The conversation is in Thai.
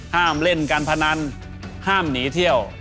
ห้ามเล่นการพนันห้ามหนีเที่ยว